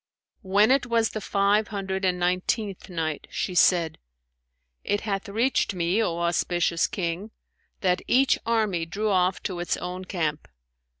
When it was the Five Hundred and Nineteenth Night, She said, It hath reached me, O auspicious King, that "each army drew off to its own camp.